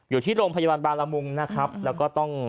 อยู่ที่โรงพยาบาลบารมุง